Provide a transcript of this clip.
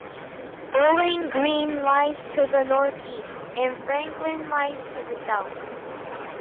Bowling Green lies to the northeast, and Franklin lies to the south.